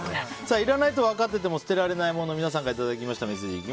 いらないとわかっていても捨てられないもの皆さんからいただいたメッセージ。